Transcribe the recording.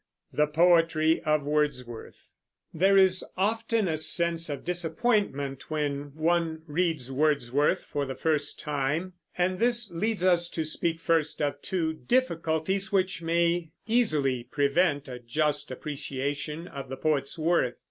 THE POETRY OF WORDSWORTH. There is often a sense of disappointment when one reads Wordsworth for the first time; and this leads us to speak first of two difficulties which may easily prevent a just appreciation of the poet's worth.